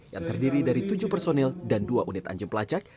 yang terdiri dari tujuh personil dan dua unit anjing pelacak